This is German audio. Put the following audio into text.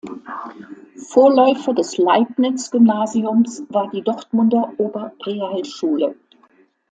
Vorläufer des Leibniz-Gymnasiums war die Dortmunder Oberrealschule.